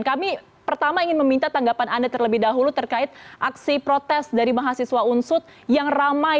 kami pertama ingin meminta tanggapan anda terlebih dahulu terkait aksi protes dari mahasiswa unsut yang ramai